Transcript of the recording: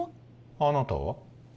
あなたは？